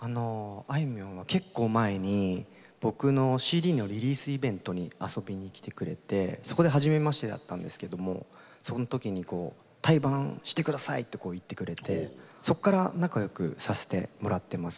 あいみょんは結構前に僕のＣＤのリリースイベントに遊びに来てくれて、そこではじめましてだったんですけどそのときに対バンしてくださいって言ってくれてそこから仲よくさせてもらってます。